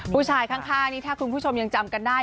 ผู้ชายข้างนี่ถ้าคุณผู้ชมยังจำกันได้